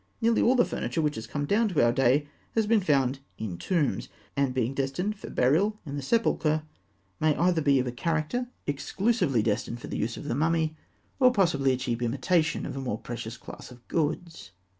Nearly all the furniture which has come down to our day has been found in tombs, and, being destined for burial in the sepulchre, may either be of a character exclusively destined for the use of the mummy, or possibly a cheap imitation of a more precious class of goods.